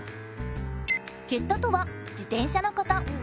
「けった」とは「自転車」のこと。